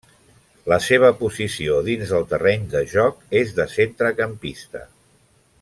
La seva posició dins del terreny de joc és de centrecampista.